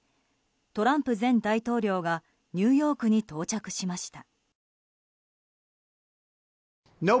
トランプ前大統領がニューヨークに到着しました。